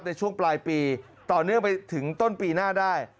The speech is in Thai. ในช่วงปลายปีต่อเนื่องไปถึงต้นปีหน้าได้